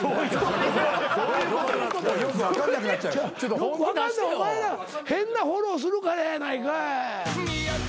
お前ら変なフォローするからやないかい。